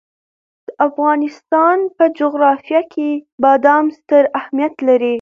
د افغانستان په جغرافیه کې بادام ستر اهمیت لري.